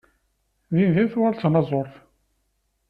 Dindin tuɣal d tanaẓurt.